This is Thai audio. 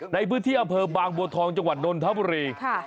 ในพืชเที่ยวบางบัวทองจังหวัดนนท์ท้าบุรี